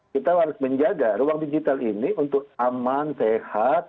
kita harus menjaga ruang digital ini untuk aman sehat